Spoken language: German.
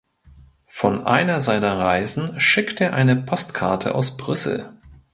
Von einer seiner Reisen schickt er eine Postkarte aus Brüssel.